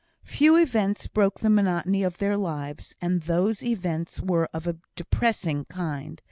Few events broke the monotony of their lives, and those events were of a depressing kind.